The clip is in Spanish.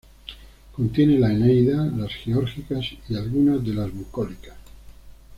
Contiene la "Eneida", las "Geórgicas" y algunas de las "Bucólicas".